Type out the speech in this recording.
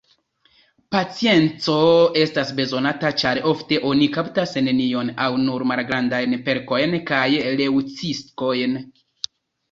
Pacienco estas bezonata, ĉar ofte oni kaptas nenion aŭ nur malgrandajn perkojn kaj leŭciskojn.